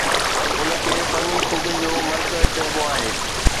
ان کي فني خوبين جو مرقع چئبو آهي